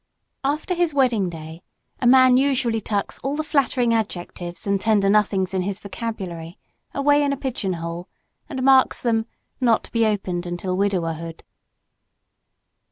After his wedding day, a man usually tucks all the flattering adjectives and tender nothings in his vocabulary away in a pigeon hole and marks them "Not to be opened until widowerhood."